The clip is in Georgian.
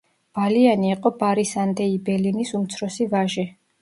ბალიანი იყო ბარისან დე იბელინის უმცროსი ვაჟი.